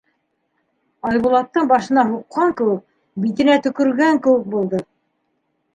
Айбулаттың башына һуҡҡан кеүек, битенә төкөргән кеүек булды.